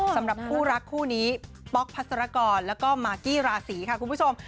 สำหรับคู่รักคู่นี้ป๊อกพัศรกรแล้วก็มากกี้ราศีค่ะคุณผู้ชม